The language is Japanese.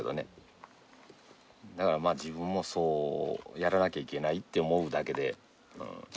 だからまあ自分もそうやらなきゃいけないって思うだけで。